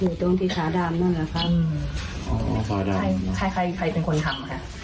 อยู่ตรงที่สาดามนั่นแหละครับอ๋อสาดามใครใครใครเป็นคนทำค่ะ